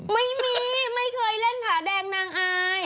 ไม่มีไม่เคยเล่นผ่าแดงนางอาย